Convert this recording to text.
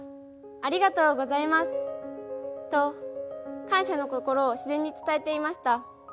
ありがとうございます」と感謝の心を自然に伝えていました。